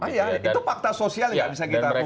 itu fakta sosial tidak bisa kita kumpulkan